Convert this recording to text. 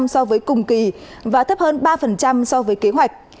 so với cùng kỳ và thấp hơn ba so với kế hoạch